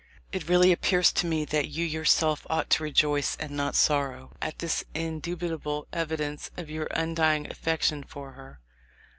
. "It really appears to me that you yourself ought to rejoice and not sorrow at this indubitable evi dence of your undying affection for her.